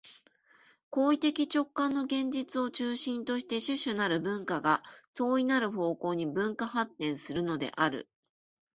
行為的直観の現実を中心として種々なる文化が相異なる方向に分化発展するのである。